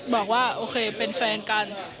บอกว่าโอเคเป็นแฟนกัน